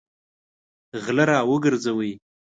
غله راوګرځوئ!